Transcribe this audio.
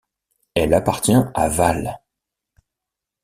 Elle appartient à Vale.